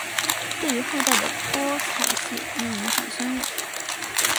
对于后代的泼彩写意影响深远。